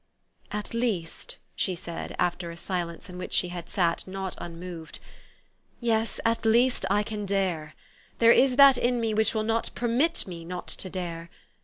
44 At least," she said, after a silence in which she had sat not unmoved, u yes, at least I can dare. There is that in me which will not permit me not to dare.